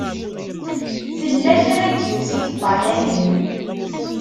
Tella kra n yiwet i yeṭṭalayen.